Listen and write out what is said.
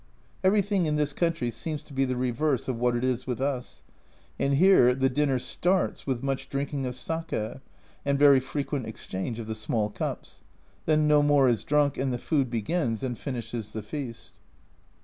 Everything in this country seems to be the reverse of what it is with us, and here the dinner starts with much drinking of sake and very frequent exchange of the small cups ; then no more is drunk and the food begins and finishes the feast.